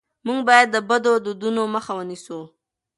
موږ باید د بدو دودونو مخه ونیسو.